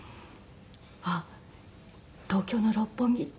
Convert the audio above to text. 「あっ東京の六本木って」。